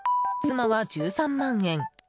妻は１３万円。